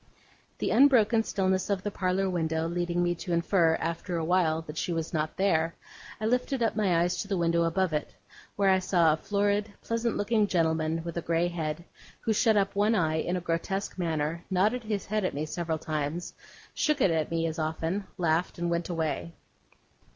The unbroken stillness of the parlour window leading me to infer, after a while, that she was not there, I lifted up my eyes to the window above it, where I saw a florid, pleasant looking gentleman, with a grey head, who shut up one eye in a grotesque manner, nodded his head at me several times, shook it at me as often, laughed, and went away.